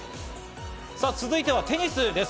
続いてはテニスです。